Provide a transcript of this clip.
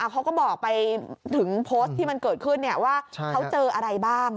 เขาก็บอกไปถึงโพสต์ที่มันเกิดขึ้นว่าเขาเจออะไรบ้าง